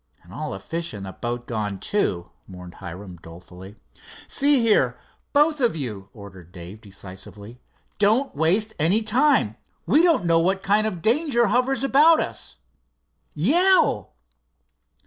"And all the fish in the boat gone, too," mourned Hiram, dolefully. "See here, both of you," ordered Dave, decisively, "don't waste any time. We don't know what kind of danger hovers about us. Yell!"